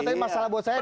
tapi masalah buat saya